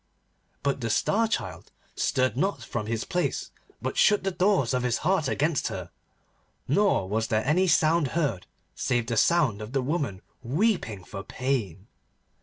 But the Star Child stirred not from his place, but shut the doors of his heart against her, nor was there any sound heard save the sound of the woman weeping for pain.